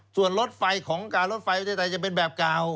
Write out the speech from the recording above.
ส่วนรถไฟของกาวรถไฟวันใดจะเป็นแบบเก่า